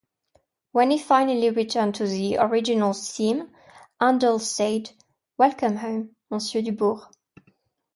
When he finally returned to the original theme, Handel said: "Welcome home, Monsieur Dubourg".